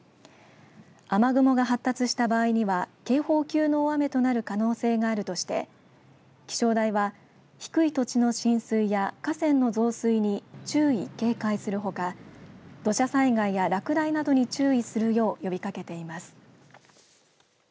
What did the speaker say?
雨雲が発達した場合には警報級の大雨となる可能性があるとして気象台は低い土地の浸水や河川の増水に注意・警戒するほか土砂災害や落雷などに注意するよう呼びかけています。